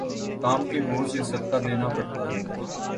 کام کے عوض یہ صدقہ دینا پڑتا ہے۔